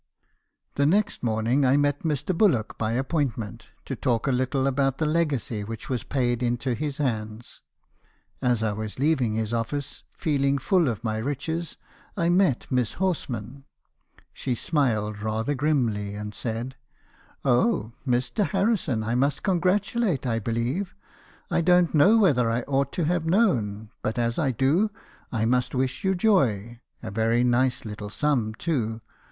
"The next morning I met Mr. Bullock by appointment, to talk a little about the legacy which was paid into his hands. As I was leaving his office, feeling full of my riches, I met Miss Horsman. She smiled rather grimly, and said: "' Oh! Mr. Harrison I must congratulate, I believe. I don't know whether I ought to have known , but as 1 do , I must wish you joy. A very nice little sum , too.